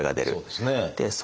そうですね。